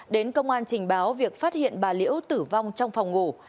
đến công an trình báo việc phát hiện bà liễu tử vong trong phòng ngủ